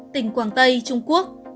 tỉnh quảng tây trung quốc